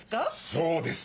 そうです。